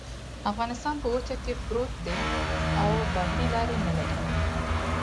افغانستان په وچه کې پروت دی او بحري لارې نلري